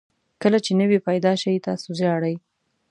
کله چې نوی پیدا شئ تاسو ژاړئ.